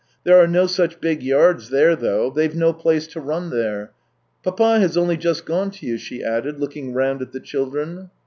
" There are no such big yards there, though; they've no place to run there. Papa has only just gone to you," she added, looking round at the children.